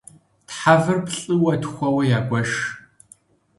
Тхьэвыр плӏыуэ-тхууэ ягуэш.